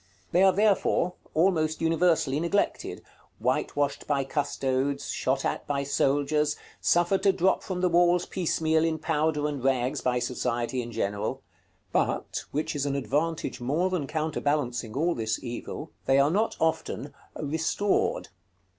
They are, therefore, almost universally neglected, whitewashed by custodes, shot at by soldiers, suffered to drop from the walls piecemeal in powder and rags by society in general; but, which is an advantage more than counterbalancing all this evil, they are not often "restored."